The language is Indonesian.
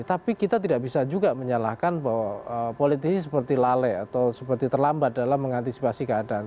tapi kita tidak bisa juga menyalahkan bahwa politisi seperti lale atau seperti terlambat dalam mengantisipasi keadaan